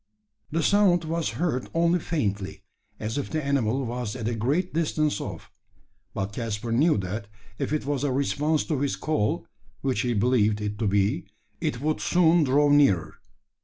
The sound was heard only faintly, as if the animal was at a great distance off; but Caspar knew that if it was a response to his call which he believed it to be it would soon draw nearer.